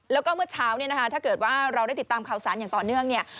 แล้วก็เมื่อเช้าเนี่ยนะคะถ้าเกิดว่าเราได้ติดตามข่าวสารอย่างต่อเนื่องเนี่ย